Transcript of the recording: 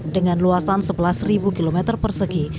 dengan luasan sebelas km persegi